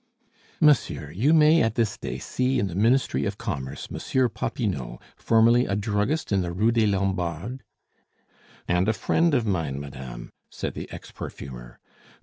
"Monsieur, you may at this day see in the Ministry of Commerce Monsieur Popinot, formerly a druggist in the Rue des Lombards " "And a friend of mine, madame," said the ex perfumer.